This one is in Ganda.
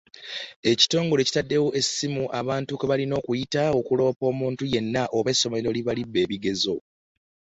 Ekitongole kitaddewo n’essimu abantu kwe balina okuyita okuloopa omuntu yenna oba essomero eribba ebibuuzo.